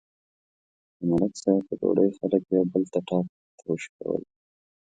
د ملک صاحب په ډوډۍ خلک یو بل ته ټاک تروش کول.